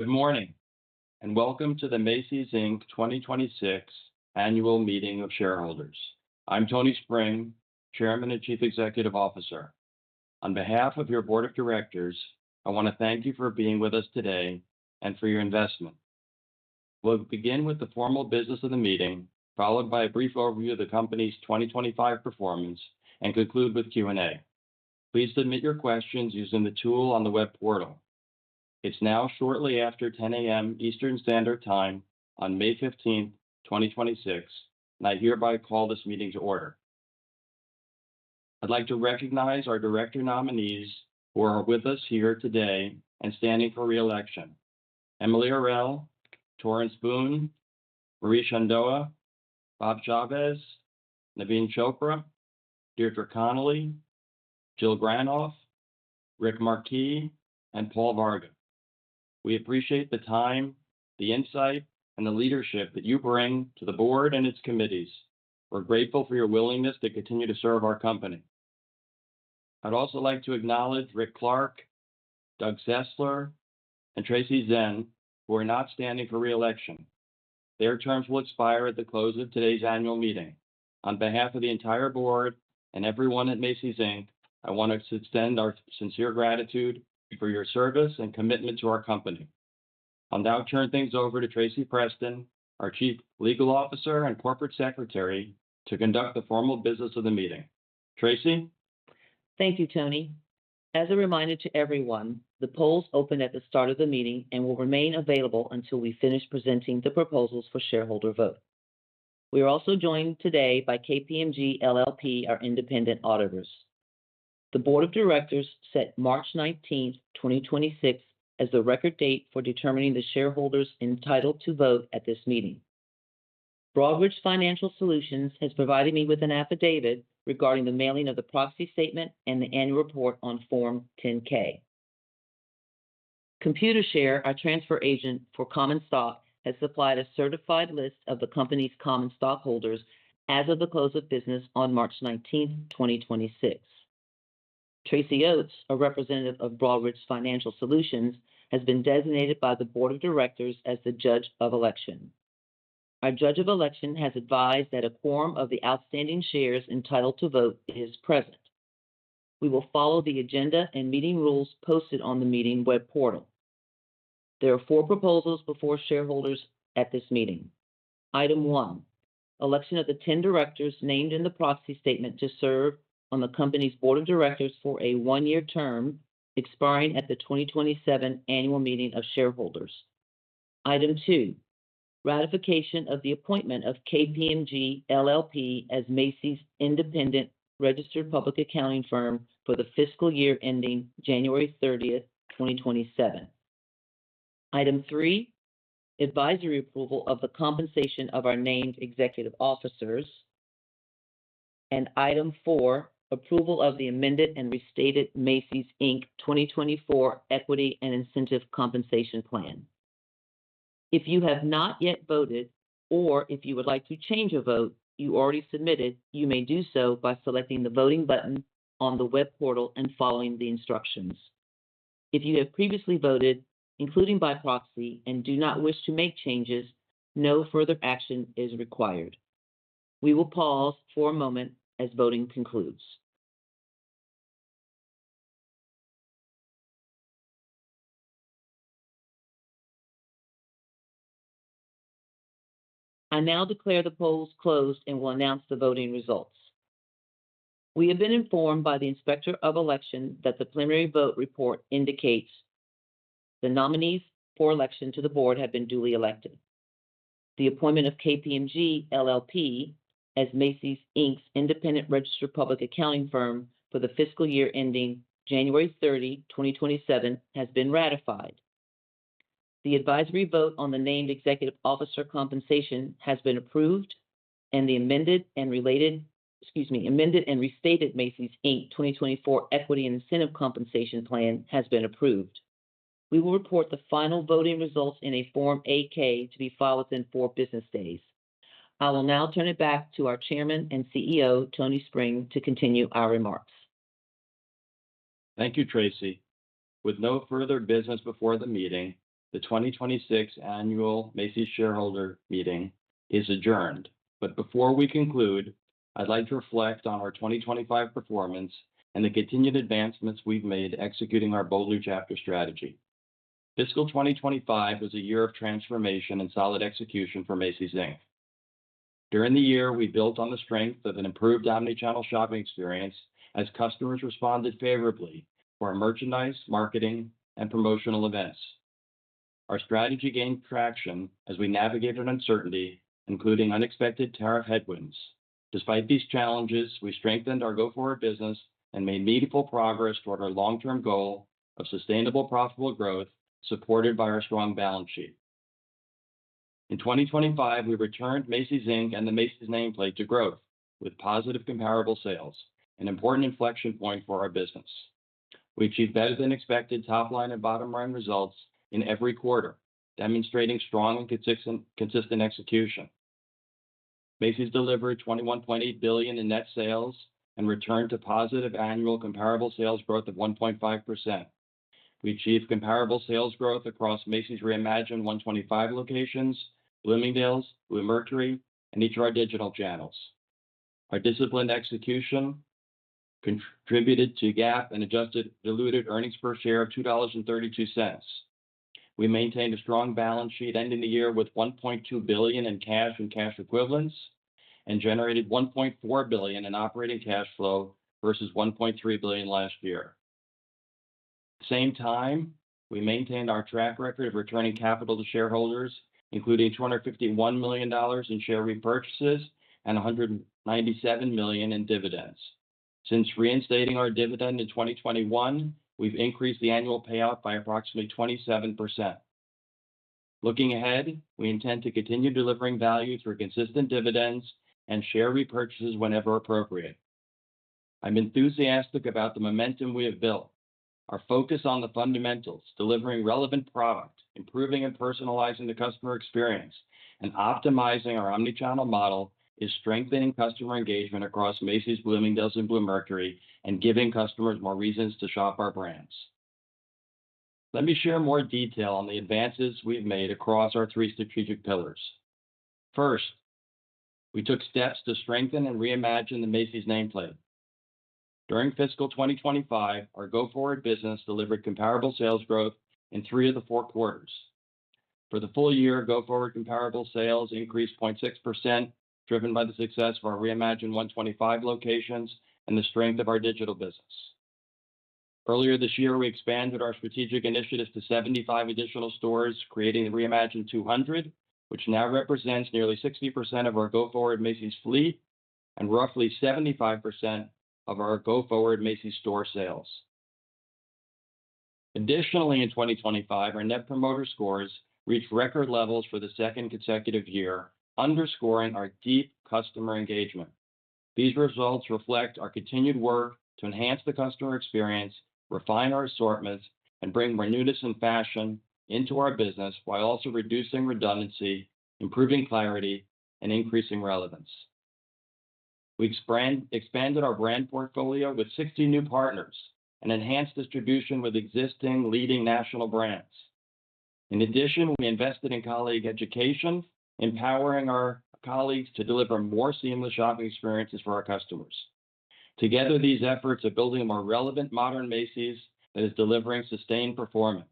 Good morning, and welcome to the Macy's, Inc. 2026 Annual Meeting of Shareholders. I'm Tony Spring, Chairman and Chief Executive Officer. On behalf of your board of directors, I wanna thank you for being with us today and for your investment. We'll begin with the formal business of the meeting, followed by a brief overview of the company's 2025 performance, and conclude with Q&A. Please submit your questions using the tool on the web portal. It's now shortly after 10:00 A.M. Eastern Standard Time on May 15th, 2026, and I hereby call this meeting to order. I'd like to recognize our director nominees who are with us here today and standing for re-election: Emilie Arel, Torrence Boone, Marie Chandoha, Bob Chavez, Naveen Chopra, Deirdre Connelly, Jill Granoff, Rick Markee, and Paul Varga. We appreciate the time, the insight, and the leadership that you bring to the board and its committees. We're grateful for your willingness to continue to serve our company. I'd also like to acknowledge Rick Clark, Doug Sesler, and Tracey Zhen, who are not standing for re-election. Their terms will expire at the close of today's annual meeting. On behalf of the entire board and everyone at Macy's, Inc., I want to extend our sincere gratitude for your service and commitment to our company. I'll now turn things over to Tracy Preston, our Chief Legal Officer and Corporate Secretary, to conduct the formal business of the meeting. Tracy? Thank you, Tony. As a reminder to everyone, the polls opened at the start of the meeting and will remain available until we finish presenting the proposals for shareholder vote. We are also joined today by KPMG LLP, our independent auditors. The board of directors set March 19, 2026, as the record date for determining the shareholders entitled to vote at this meeting. Broadridge Financial Solutions has provided me with an affidavit regarding the mailing of the proxy statement and the annual report on Form 10-K. Computershare, our transfer agent for common stock, has supplied a certified list of the company's common stockholders as of the close of business on March 19, 2026. Tracy Oats, a representative of Broadridge Financial Solutions, has been designated by the board of directors as the judge of election. Our judge of election has advised that a quorum of the outstanding shares entitled to vote is present. We will follow the agenda and meeting rules posted on the meeting web portal. There are 4 proposals before shareholders at this meeting. Item 1: election of the 10 directors named in the proxy statement to serve on the company's board of directors for a one-year term expiring at the 2027 Annual Meeting of Shareholders. Item 2: ratification of the appointment of KPMG LLP as Macy's independent registered public accounting firm for the fiscal year ending January 30th, 2027. Item 3: advisory approval of the compensation of our named executive officers. Item 4: approval of the amended and restated Macy's, Inc. 2024 Equity and Incentive Compensation Plan. If you have not yet voted or if you would like to change a vote you already submitted, you may do so by selecting the voting button on the web portal and following the instructions. If you have previously voted, including by proxy, and do not wish to make changes, no further action is required. We will pause for a moment as voting concludes. I now declare the polls closed and will announce the voting results. We have been informed by the Inspector of Elections that the preliminary vote report indicates the nominees for election to the board have been duly elected. The appointment of KPMG LLP as Macy's, Inc.'s independent registered public accounting firm for the fiscal year ending January 30, 2027, has been ratified. The advisory vote on the named executive officer compensation has been approved, and the amended and related, excuse me, amended and restated Macy's, Inc. 2024 Equity and Incentive Compensation Plan has been approved. We will report the final voting results in a Form 8-K to be filed within four business days. I will now turn it back to our Chairman and CEO, Tony Spring, to continue our remarks. Thank you, Tracy. With no further business before the meeting, the 2026 Annual Macy's Shareholder Meeting is adjourned. Before we conclude, I'd like to reflect on our 2025 performance and the continued advancements we've made executing our Bold New Chapter strategy. Fiscal 2025 was a year of transformation and solid execution for Macy's, Inc. During the year, we built on the strength of an improved omnichannel shopping experience as customers responded favorably for our merchandise, marketing, and promotional events. Our strategy gained traction as we navigated uncertainty, including unexpected tariff headwinds. Despite these challenges, we strengthened our go-forward business and made meaningful progress toward our long-term goal of sustainable, profitable growth, supported by our strong balance sheet. In 2025, we returned Macy's, Inc. and the Macy's nameplate to growth with positive comparable sales, an important inflection point for our business. We achieved better than expected top line and bottom line results in every quarter, demonstrating strong and consistent execution. Macy's delivered $21.8 billion in net sales and returned to positive annual comparable sales growth of 1.5%. We achieved comparable sales growth across Macy's reimagined 125 locations, Bloomingdale's, Bluemercury, and each of our digital channels. Our disciplined execution contributed to GAAP and adjusted diluted earnings per share of $2.32. We maintained a strong balance sheet, ending the year with $1.2 billion in cash and cash equivalents, and generated $1.4 billion in operating cash flow versus $1.3 billion last year. At the same time, we maintained our track record of returning capital to shareholders, including $251 million in share repurchases and $197 million in dividends. Since reinstating our dividend in 2021, we've increased the annual payout by approximately 27%. Looking ahead, we intend to continue delivering value through consistent dividends and share repurchases whenever appropriate. I'm enthusiastic about the momentum we have built. Our focus on the fundamentals, delivering relevant product, improving and personalizing the customer experience, and optimizing our omnichannel model is strengthening customer engagement across Macy's, Bloomingdale's, and Bluemercury, and giving customers more reasons to shop our brands. Let me share more detail on the advances we've made across our three strategic pillars. First, we took steps to strengthen and reimagine the Macy's nameplate. During fiscal 2025, our go-forward business delivered comparable sales growth in three of the four quarters. For the full year, go-forward comparable sales increased 0.6%, driven by the success of our reimagined one twenty-five locations and the strength of our digital business. Earlier this year, we expanded our strategic initiatives to 75 additional stores, creating reimagined two hundred, which now represents nearly 60% of our go-forward Macy's fleet and roughly 75% of our go-forward Macy's store sales. Additionally, in 2025, our net promoter scores reached record levels for the second consecutive year, underscoring our deep customer engagement. These results reflect our continued work to enhance the customer experience, refine our assortments, and bring more newness and fashion into our business while also reducing redundancy, improving clarity, and increasing relevance. We expanded our brand portfolio with 60 new partners and enhanced distribution with existing leading national brands. In addition, we invested in colleague education, empowering our colleagues to deliver more seamless shopping experiences for our customers. Together, these efforts are building a more relevant modern Macy's that is delivering sustained performance.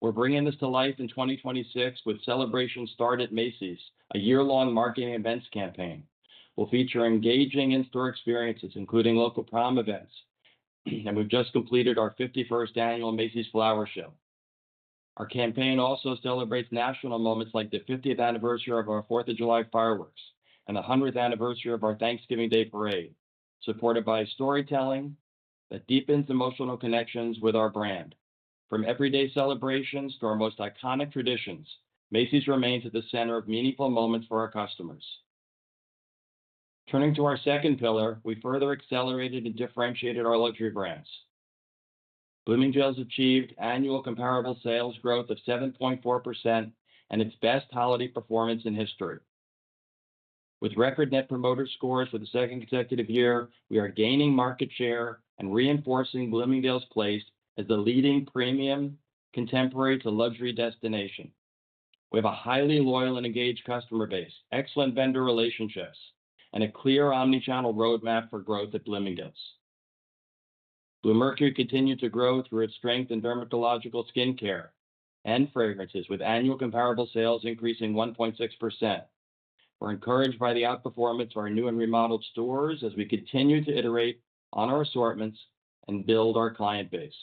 We're bringing this to life in 2026 with Celebrations Start at Macy's, a year-long marketing events campaign. We'll feature engaging in-store experiences, including local prom events, and we've just completed our 51st annual Macy's Flower Show. Our campaign also celebrates national moments like the 50th anniversary of our 4th of July Fireworks and the 100th anniversary of our Thanksgiving Day Parade, supported by storytelling that deepens emotional connections with our brand. From everyday celebrations to our most iconic traditions, Macy's remains at the center of meaningful moments for our customers. Turning to our second pillar, we further accelerated and differentiated our luxury brands. Bloomingdale's achieved annual comparable sales growth of 7.4% and its best holiday performance in history. With record net promoter scores for the second consecutive year, we are gaining market share and reinforcing Bloomingdale's place as the leading premium contemporary to luxury destination. We have a highly loyal and engaged customer base, excellent vendor relationships, and a clear omnichannel roadmap for growth at Bloomingdale's. Bluemercury continued to grow through its strength in dermatological skin care and fragrances, with annual comparable sales increasing 1.6%. We're encouraged by the outperformance of our new and remodeled stores as we continue to iterate on our assortments and build our client base.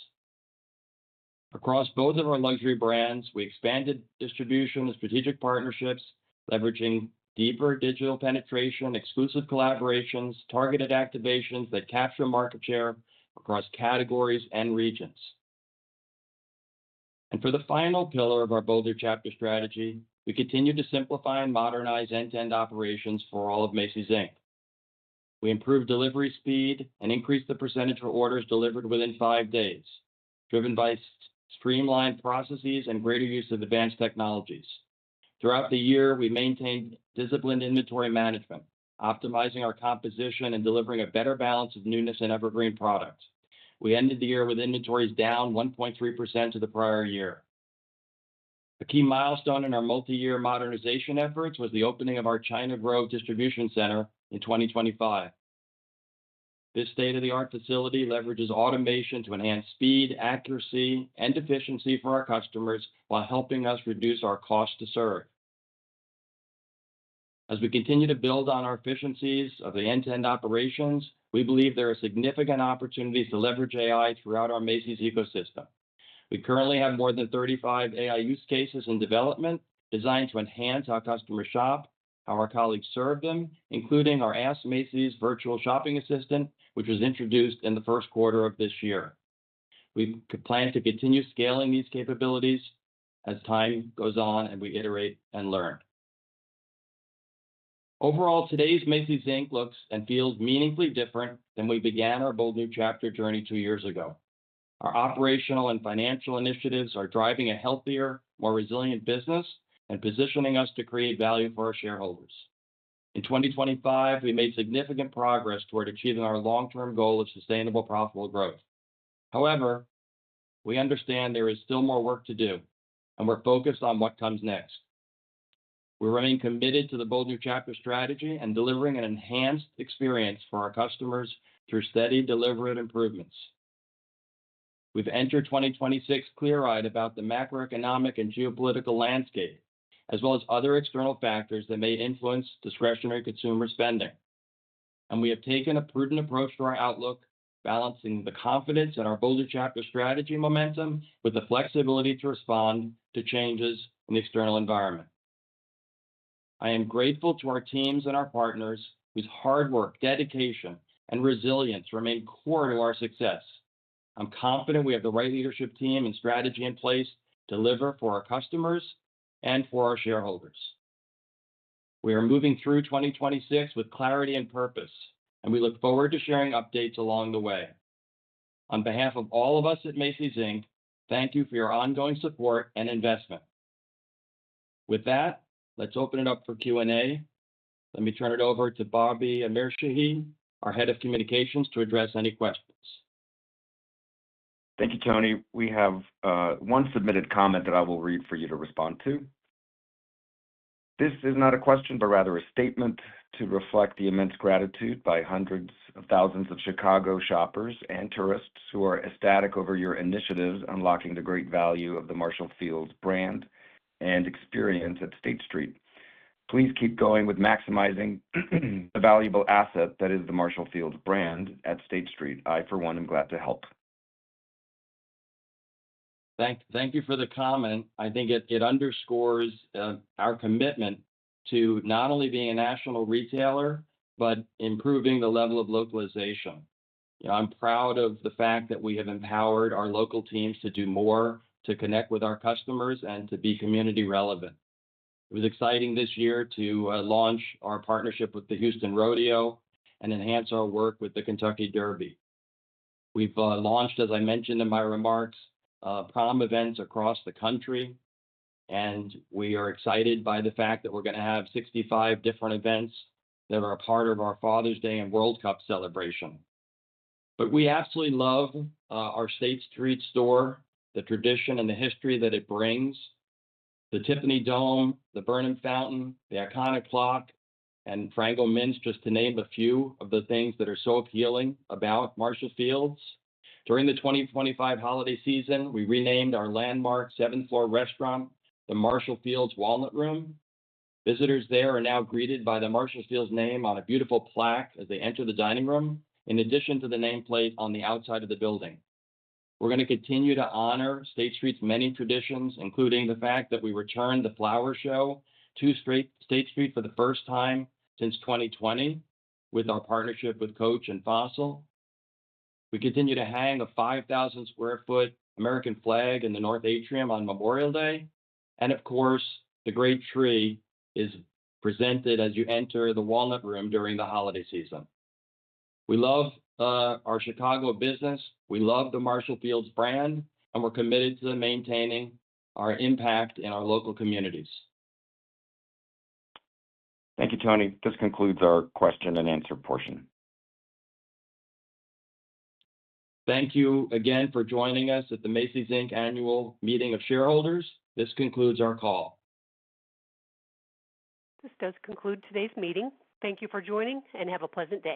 Across both of our luxury brands, we expanded distribution and strategic partnerships, leveraging deeper digital penetration, exclusive collaborations, targeted activations that capture market share across categories and regions. For the final pillar of our Bold New Chapter strategy, we continued to simplify and modernize end-to-end operations for all of Macy's, Inc. We improved delivery speed and increased the percentage of orders delivered within five days, driven by streamlined processes and greater use of advanced technologies. Throughout the year, we maintained disciplined inventory management, optimizing our composition and delivering a better balance of newness and evergreen product. We ended the year with inventories down 1.3% to the prior year. A key milestone in our multi-year modernization efforts was the opening of our China Grove distribution center in 2025. This state-of-the-art facility leverages automation to enhance speed, accuracy, and efficiency for our customers while helping us reduce our cost to serve. As we continue to build on our efficiencies of the end-to-end operations, we believe there are significant opportunities to leverage AI throughout our Macy's ecosystem. We currently have more than 35 AI use cases in development designed to enhance how customers shop, how our colleagues serve them, including our Ask Macy's virtual shopping assistant, which was introduced in the first quarter of this year. We plan to continue scaling these capabilities as time goes on and we iterate and learn. Overall, today's Macy's, Inc. looks and feels meaningfully different than we began our Bold New Chapter journey two years ago. Our operational and financial initiatives are driving a healthier, more resilient business and positioning us to create value for our shareholders. In 2025, we made significant progress toward achieving our long-term goal of sustainable profitable growth. However, we understand there is still more work to do, and we're focused on what comes next. We remain committed to the Bold New Chapter strategy and delivering an enhanced experience for our customers through steady deliberate improvements. We've entered 2026 clear-eyed about the macroeconomic and geopolitical landscape, as well as other external factors that may influence discretionary consumer spending. We have taken a prudent approach to our outlook, balancing the confidence in our Bold New Chapter strategy momentum with the flexibility to respond to changes in the external environment. I am grateful to our teams and our partners whose hard work, dedication, and resilience remain core to our success. I'm confident we have the right leadership team and strategy in place to deliver for our customers and for our shareholders. We are moving through 2026 with clarity and purpose, and we look forward to sharing updates along the way. On behalf of all of us at Macy's, Inc., thank you for your ongoing support and investment. With that, let's open it up for Q&A. Let me turn it over to Bobby Amirshahi, our Head of Communications, to address any questions. Thank you, Tony. We have one submitted comment that I will read for you to respond to. This is not a question, but rather a statement to reflect the immense gratitude by hundreds of thousands of Chicago shoppers and tourists who are ecstatic over your initiatives, unlocking the great value of the Marshall Field's brand and experience at State Street. Please keep going with maximizing the valuable asset that is the Marshall Field's brand at State Street. I, for one, am glad to help. Thank you for the comment. I think it underscores our commitment to not only being a national retailer, but improving the level of localization. You know, I'm proud of the fact that we have empowered our local teams to do more to connect with our customers and to be community relevant. It was exciting this year to launch our partnership with the Houston Rodeo and enhance our work with the Kentucky Derby. We've launched, as I mentioned in my remarks, prom events across the country, and we are excited by the fact that we're gonna have 65 different events that are a part of our Father's Day and World Cup celebration. We absolutely love our State Street store, the tradition and the history that it brings. The Tiffany dome, the Burnham Fountain, the iconic clock, and Frango Mints, just to name a few of the things that are so appealing about Marshall Field's. During the 2025 holiday season, we renamed our landmark 7th floor restaurant, the Marshall Field's Walnut Room. Visitors there are now greeted by the Marshall Field's name on a beautiful plaque as they enter the dining room, in addition to the nameplate on the outside of the building. We're gonna continue to honor State Street's many traditions, including the fact that we returned the flower show to State Street for the first time since 2020 with our partnership with Coach and Fossil. We continue to hang a 5,000-sq ft American flag in the north atrium on Memorial Day. Of course, the great tree is presented as you enter the Walnut Room during the holiday season. We love our Chicago business. We love the Marshall Field's brand, and we're committed to maintaining our impact in our local communities. Thank you, Tony. This concludes our question and answer portion. Thank you again for joining us at the Macy's, Inc. Annual Meeting of Shareholders. This concludes our call. This does conclude today's meeting. Thank you for joining, and have a pleasant day.